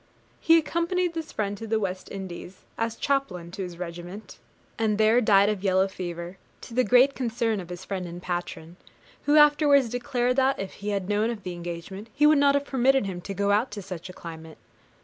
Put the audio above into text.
He accompanied this friend to the West Indies, as chaplain to his regiment, and there died of yellow fever, to the great concern of his friend and patron, who afterwards declared that, if he had known of the engagement, he would not have permitted him to go out to such a climate.